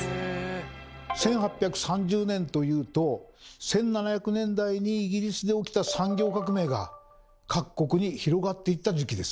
１８３０年というと１７００年代にイギリスで起きた産業革命が各国に広がっていった時期です。